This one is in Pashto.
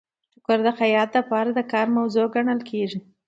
ټوکر د خیاط لپاره د کار موضوع ګڼل کیږي.